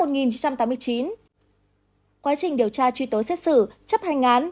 quá trình điều tra truy tố xét xử chấp hành án